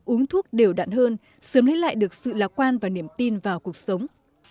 uống thuốc đều đạn hơn sớm lấy lại được sự lạc quan và niềm tin vào cuộc sống